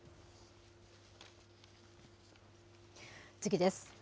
次です。